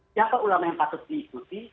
siapa ulama yang patut diikuti